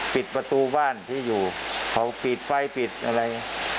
ปิดประตูบ้านที่อยู่เขาปิดไฟปิดอะไร